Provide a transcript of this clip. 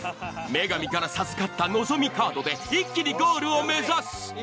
女神から授かったのぞみカードで一気にゴールを目指す！